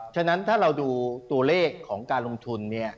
ฉะนั้นถ้าเราดูตัวเลขของการลงทุนเนี่ย